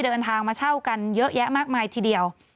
เดินทางมาเช่ากันเยอะแยะมากมายทีเดียว